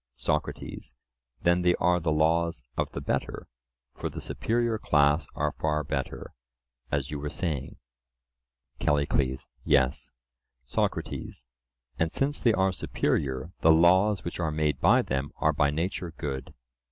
SOCRATES: Then they are the laws of the better; for the superior class are far better, as you were saying? CALLICLES: Yes. SOCRATES: And since they are superior, the laws which are made by them are by nature good?